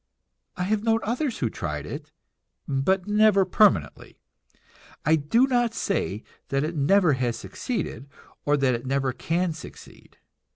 I have known others who tried it, but never permanently. I do not say that it never has succeeded, or that it never can succeed.